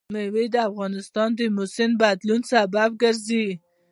مېوې د افغانستان د موسم د بدلون سبب کېږي.